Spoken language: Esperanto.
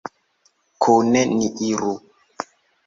Kune ni iru!